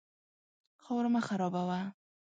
خاوره مه خرابوه.